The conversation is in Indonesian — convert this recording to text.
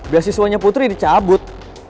beasiswanya putri dicabut